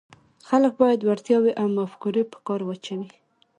خلک باید وړتیاوې او مفکورې په کار واچوي.